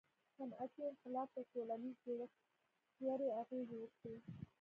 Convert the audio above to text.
• صنعتي انقلاب پر ټولنیز جوړښت ژورې اغیزې وکړې.